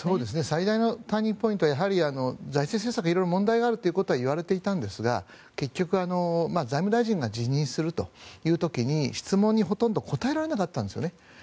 最大のターニングポイントは財政政策、問題があることはいわれていたんですが結局、財務大臣が辞任するという時に質問にほとんど答えられなかったんですね。